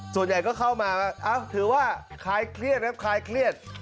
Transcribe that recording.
ส่วนใหญ่ก็เข้ามาถือว่าคล้ายเครียดนะครับ